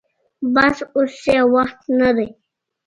بس اوس يې وخت نه دې.